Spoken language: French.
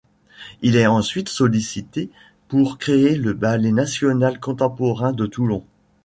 Il est ensuite sollicité pour créer le Ballet national contemporain de Toulon.